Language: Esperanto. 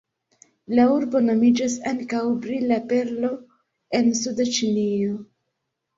La urbo nomiĝas ankaŭ "Brila Perlo en Suda Ĉinio".